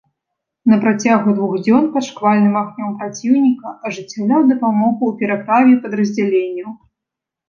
На працягу двух дзён пад шквальным агнём праціўніка ажыццяўляў дапамогу ў пераправе падраздзяленняў.